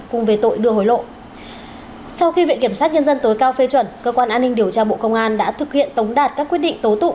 cùng về tội đưa hối lộ sau khi viện kiểm sát nhân dân tối cao phê chuẩn cơ quan an ninh điều tra bộ công an đã thực hiện tống đạt các quyết định tố tụ